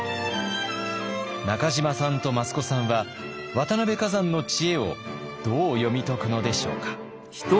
中島さんと益子さんは渡辺崋山の知恵をどう読み解くのでしょうか。